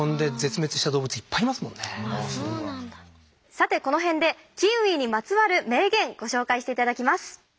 さてこの辺でキーウィにまつわる名言ご紹介して頂きます。